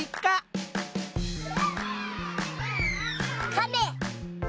かめ！